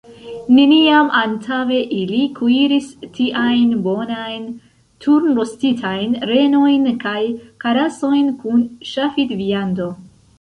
Neniam antaŭe ili kuiris tiajn bonajn turnrostitajn renojn kaj karasojn kun ŝafidviando.